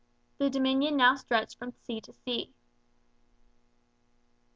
The Dominion now stretched from sea to sea.